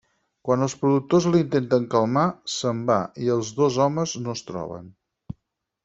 Quan els productors l'intenten calmar, se'n va i els dos homes no es troben.